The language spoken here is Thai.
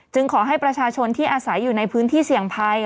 ขอให้ประชาชนที่อาศัยอยู่ในพื้นที่เสี่ยงภัย